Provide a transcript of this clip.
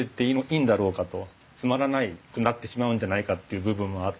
つまらなくなってしまうんじゃないかっていう部分もあって。